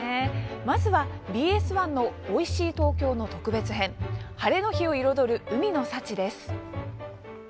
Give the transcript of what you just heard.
まずは、ＢＳ１の「おいしい東京」の特別編「ハレの日を彩る海の幸」です。